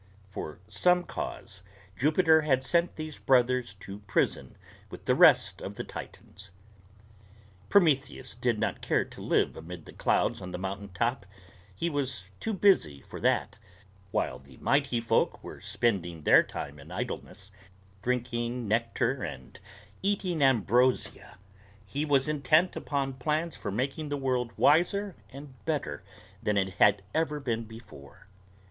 For some cause Jupiter had not sent these brothers to prison with the rest of the Titans. Prometheus did not care to live amid the clouds on the mountain top. He was too busy for that. While the Mighty Folk were spending their time in idleness, drinking nectar and eating ambrosia, he was intent upon plans for making the world wiser and better than it had ever been before.